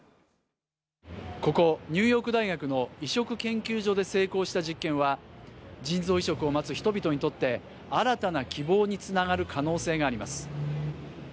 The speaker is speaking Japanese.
ここニューヨーク大学の移殖研究所で成功した実験は腎臓移植を待つ人々にとって新たな希望につながる可能性があります。